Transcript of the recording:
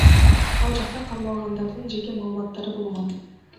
Ал жакта кармалгандардын жеке маалыматтары болгон.